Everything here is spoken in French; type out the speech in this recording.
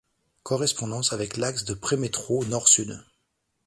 Correspondance avec l'axe de prémétro Nord-Sud.